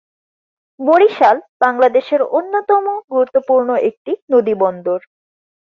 বরিশাল বাংলাদেশের অন্যতম গুরুত্বপূর্ণ একটি নদীবন্দর।